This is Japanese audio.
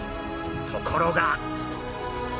ところが。